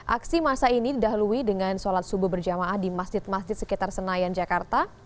aksi masa ini didahului dengan sholat subuh berjamaah di masjid masjid sekitar senayan jakarta